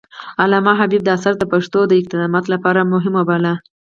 علامه حبيبي دا اثر د پښتو د قدامت لپاره مهم وباله.